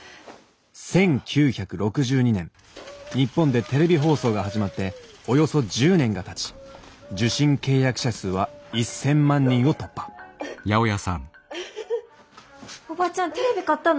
１９６２年日本でテレビ放送が始まっておよそ１０年がたち受信契約者数は１，０００万人を突破おばちゃんテレビ買ったの？